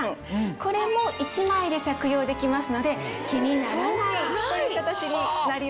これも１枚で着用できますので気にならないという形になります。